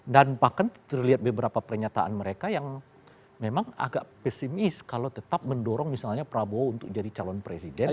dan bahkan terlihat beberapa pernyataan mereka yang memang agak pesimis kalau tetap mendorong misalnya prabowo untuk jadi calon presiden